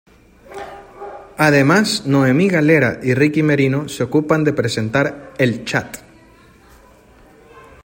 Además, Noemí Galera y Ricky Merino se ocupan de presentar "El chat".